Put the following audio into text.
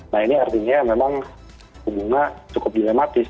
nah ini artinya memang bunga cukup dilematis